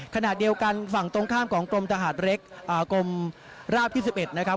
ขณะเดียวกันฝั่งตรงข้ามของกรมทหารเล็กกรมราบที่๑๑นะครับ